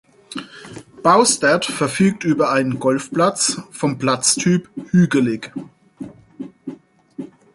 Baustert verfügt über einen Golfplatz vom Platz-Typ „hügelig“.